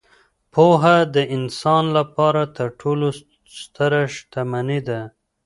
پوهه د انسان لپاره تر ټولو ستره شتمني ده.